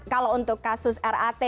kalau untuk kasus rat